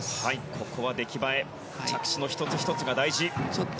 ここは出来栄え着地の１つ１つが大事。